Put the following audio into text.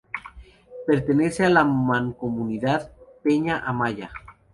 Pertenece a la mancomunidad "Peña Amaya".